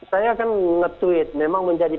saya kan nge tweet memang menjadi